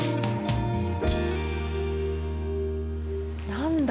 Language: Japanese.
何だ？